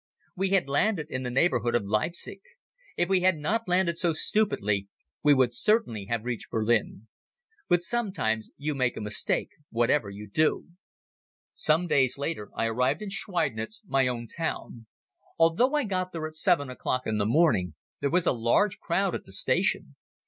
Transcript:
We had landed in the neighborhood of Leipzig. If we had not landed so stupidly, we would certainly have reached Berlin. But sometimes you make a mistake whatever you do. Some days later I arrived in Schweidnitz, my own town. Although I got there at seven o'clock in the morning, there was a large crowd at the station.